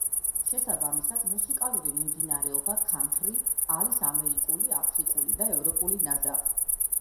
შესაბამისად, მუსიკალური მიმდინარეობა ქანთრი არის ამერიკული, აფრიკული და ევროპული ნაზავი.